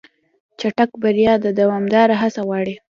چټک بریا دوامداره هڅه غواړي.